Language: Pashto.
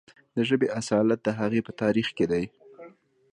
د ژبې اصالت د هغې په تاریخ کې دی.